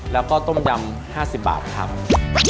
แล้วก็ต้มยำ๕๐บาทครับ